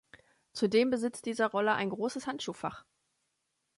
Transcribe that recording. Zudem besitzt dieser Roller ein großes Handschuhfach.